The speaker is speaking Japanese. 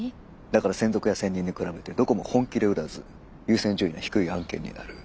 だから専属や専任に比べてどこも本気で売らず優先順位が低い案件になる。